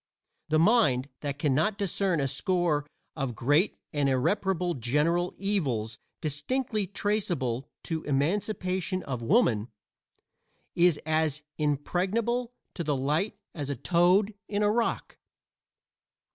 The mind that can not discern a score of great and irreparable general evils distinctly traceable to "emancipation of woman" is as impregnable to the light as a toad in a rock.